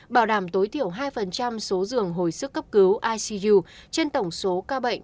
bảo đảm tối thiểu hai số giường hồi sức cấp cứu icu trên tổng số ca bệnh